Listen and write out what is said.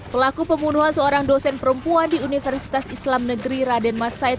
pelaku pembunuhan seorang dosen perempuan di universitas islam negeri raden masaid